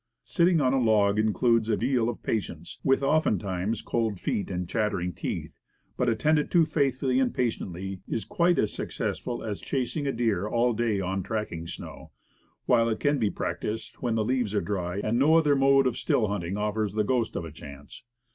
Sitting on a log includes a deal of patience, with oftentimes cold feet and chattering teeth; but, at Still Hunting. 1 1 3 tended to faithfully and patiently, is quite as success ful as chasing a deer all day on tracking snow, while it can be practiced when the leaves are dry, and no other mode of still hunting offers the ghost of a chance.